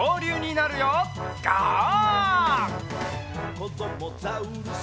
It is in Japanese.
「こどもザウルス